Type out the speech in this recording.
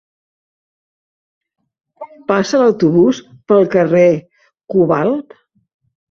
Quan passa l'autobús pel carrer Cobalt?